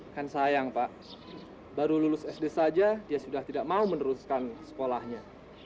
kan sayang pak baru lulus sd saja dia sudah tidak mau meneruskan sekolahnya